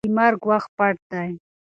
د مرګ وخت پټ دی.